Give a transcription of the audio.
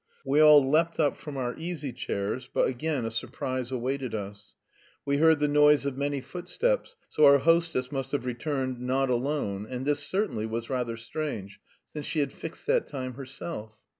We all leapt up from our easy chairs, but again a surprise awaited us; we heard the noise of many footsteps, so our hostess must have returned not alone, and this certainly was rather strange, since she had fixed that time herself.